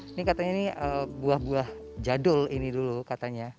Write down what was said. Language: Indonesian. ini katanya ini buah buah jadul ini dulu katanya